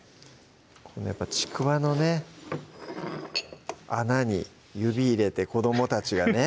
やっぱちくわのね穴に指入れて子どもたちがね